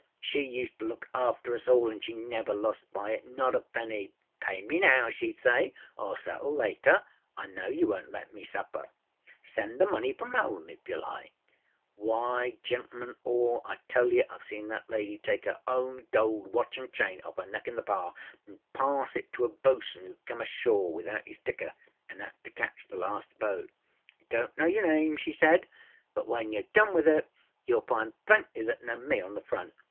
She used to look after us all, anâ she never lost by itânot a penny! âPay me now,â sheâd say, âor settle later. I know you wonât let me suffer. Send the money from home if you like,â Why, gentlemen all, I tell you Iâve seen that lady take her own gold watch anâ chain off her neck in the bar anâ pass it to a bosun âooâd come ashore without âis ticker anâ âad to catch the last boat. âI donât know your name,â she said, âbut when youâve done with it, youâll find plenty that know me on the front.